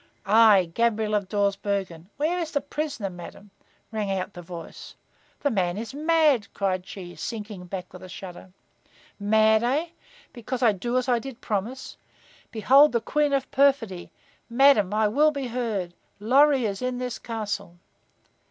"I, Gabriel of Dawsbergen! Where is the prisoner, madam?" rang out the voice. "The man is mad!" cried she, sinking back with a shudder. "Mad, eh? Because I do as I did promise? Behold the queen of perfidy! Madam, I will be heard. Lorry is in this castle!"